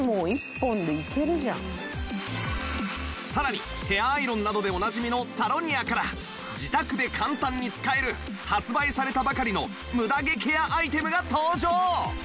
さらにヘアアイロンなどでおなじみのサロニアから自宅で簡単に使える発売されたばかりのムダ毛ケアアイテムが登場！